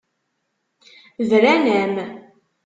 Bran-am.